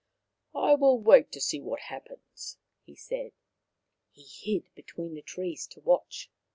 " I will wait to see what happens," he said. He hid between the trees to watch.